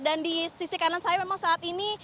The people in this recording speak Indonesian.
dan di sisi kanan saya memang saat ini